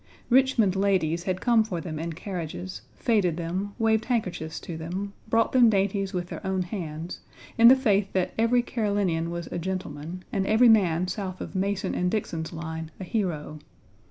Richmond ladies had come for them in carriages, feted them, waved handkerchiefs to them, brought them dainties with their own hands, in the faith that every Carolinian was a gentleman, and every man south of Mason and Dixon's line a hero.